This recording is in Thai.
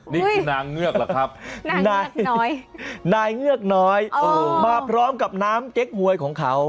นี่คือนางเงือกเหรอครับนายน้อยนายเงือกน้อยมาพร้อมกับน้ำเก๊กหวยของเขา